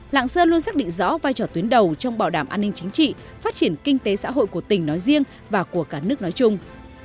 lạng sơn luôn xác định rõ vai trò tuyến đầu trong bảo đảm an ninh chính trị phát triển kinh tế xã hội của tỉnh nói riêng và của cả nước nói chung